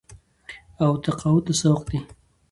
او تقاعد ته سوق دي